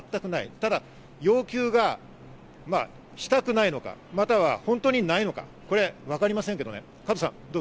ただ要求をしたくないのか、本当にないのか、これわかりませんけどね、加藤さん。